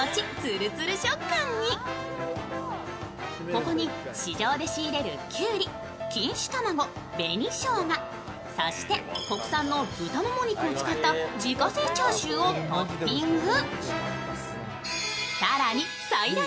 ここに市場で仕入れるきゅうり、錦糸卵、紅しょうが、そして国産の豚もも肉を使った自家製チャーシューをトッピング。